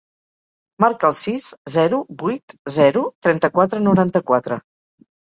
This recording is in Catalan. Marca el sis, zero, vuit, zero, trenta-quatre, noranta-quatre.